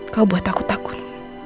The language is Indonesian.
kau buat aku takut